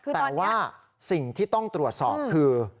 แต่ว่าสิ่งที่ต้องตรวจสอบคือ